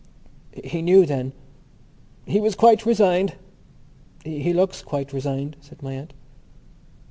"He knew then?" "He was quite resigned." "He looks quite resigned," said my aunt.